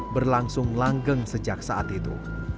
berlangsung langgeng sejak saat itu